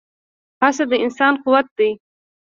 هڅه د انسان قوت دی.